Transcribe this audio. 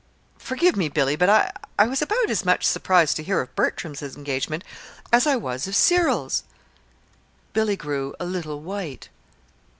Forgive me, Billy, but I was about as much surprised to hear of Bertram's engagement as I was of Cyril's." Billy grew a little white.